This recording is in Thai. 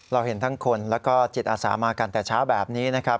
เราเห็นทั้งคนแล้วก็จิตอาสามากันแต่เช้าแบบนี้นะครับ